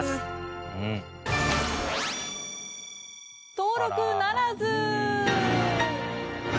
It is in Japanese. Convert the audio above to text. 登録ならず。